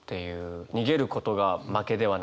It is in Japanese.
逃げることが負けではない。